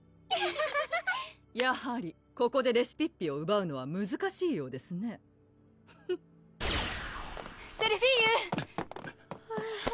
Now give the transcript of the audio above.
やはりここでレシピッピをうばうのはむずかしいようですねフッセルフィーユ！